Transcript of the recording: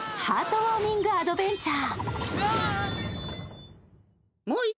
ウォーミングアドベンチャー。